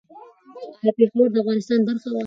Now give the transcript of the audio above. ایا پېښور د افغانستان برخه وه؟